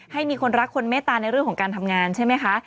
ให้มีคนรักคนเมตตาในเรื่องของการทำงานใช่ไหมคะ